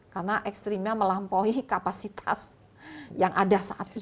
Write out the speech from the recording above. karena ekstrimnya melampaui kapasitas yang ada saat ini